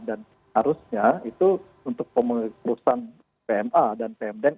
dan harusnya itu untuk perusahaan pma dan pmdn